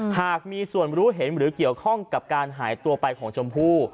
หากมีส่วนรู้เห็นหรือเกี่ยวข้องกับการหายตัวไปของชมพู่